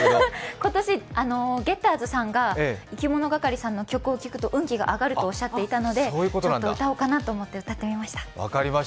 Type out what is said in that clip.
今年、ゲッターズさんがいきものがかりさんの曲を聴くと運気が上がるとおっしゃっていたのでちょっと歌おうかなと思って歌ってみました。